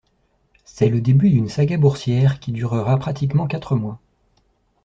C’est le début d’une saga boursière qui durera pratiquement quatre mois.